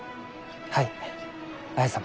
はい綾様。